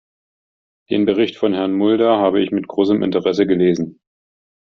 Den Bericht von Herrn Mulder habe ich mit großem Interesse gelesen.